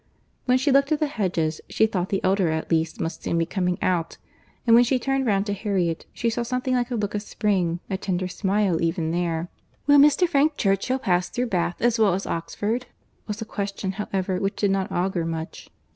When she looked at the hedges, she thought the elder at least must soon be coming out; and when she turned round to Harriet, she saw something like a look of spring, a tender smile even there. "Will Mr. Frank Churchill pass through Bath as well as Oxford?"—was a question, however, which did not augur much.